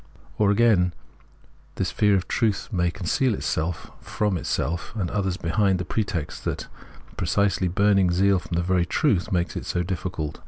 Or, again, fear of the truth may conceal itself from itself and others behind the pretext that precisely burning zeal for the very truth makes it so difficult, VOL.